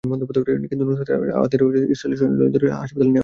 কিন্তু নুসরার আহত সেনাদের ইসরায়েলি লাইন ধরে হাইফার হাসপাতালে নেওয়া হয়।